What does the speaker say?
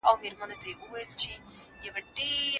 زده کړه د انټرنیټ له لارې ستړیا نه لري.